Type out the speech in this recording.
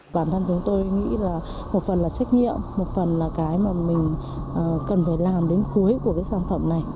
bản thân chúng tôi nghĩ là một phần là trách nhiệm một phần là cái mà mình cần phải làm đến cuối của cái sản phẩm này